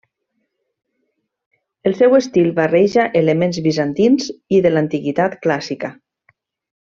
El seu estil barreja elements bizantins i de l'Antiguitat clàssica.